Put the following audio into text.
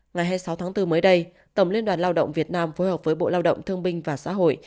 ngày hai mươi sáu tháng bốn mới đây tổng liên đoàn lao động việt nam phối hợp với bộ lao động thương binh và xã hội